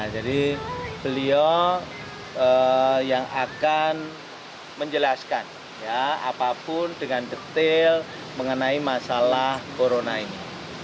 jadi beliau yang akan menjelaskan apapun dengan detail mengenai masalah corona ini